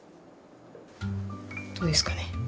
どうですかね？